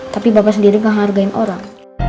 tapi bapak sendiri gak hargain orang